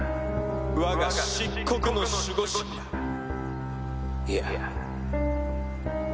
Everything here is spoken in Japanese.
「我が漆黒の守護神がいや